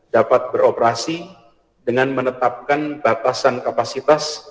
dapat beroperasi dengan menetapkan batasan kapasitas